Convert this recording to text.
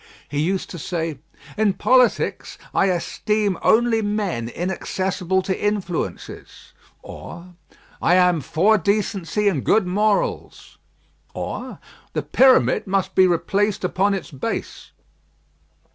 He used to say, "In politics, I esteem only men inaccessible to influences;" or, "I am for decency and good morals;" or, "The pyramid must be replaced upon its base."